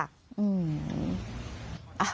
อือ